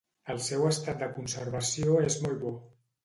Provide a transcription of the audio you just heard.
El seu estat de conservació és molt bo.